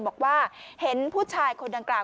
บอกว่าเห็นผู้ชายคนดังกล่าว